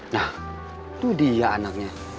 nah itu dia anaknya